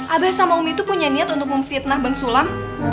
abah sama umi tuh punya niat untuk memfitnah bang sulam